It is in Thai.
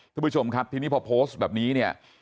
คุณผู้ชมครับทีนี้พอโพสต์แบบนี้เนี่ย